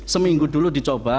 seminggu dulu dicoba